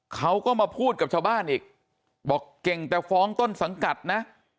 เขาก็มาพูดกับชาวบ้านอีกบอกเก่งแต่ฟ้องต้นสังกัดนะ